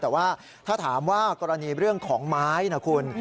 แต่ว่าถ้าถามว่ากรณีเรื่องของไม้นะคุณ